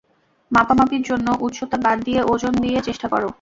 মাপামাপির জন্য উচ্চতা বাদ দিয়ে ওজন দিয়ে চেষ্টা কর।